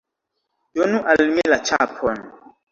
Donu al mi la ĉapon!